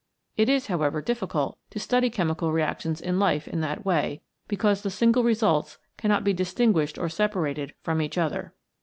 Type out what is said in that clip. It is, however, difficult to study chemical reactions in life in that way, because the single results cannot be distinguished or separated from each other.